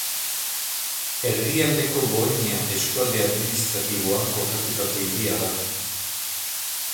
Erdialdeko Bohemia eskualde administratiboan kokatutako hiria da.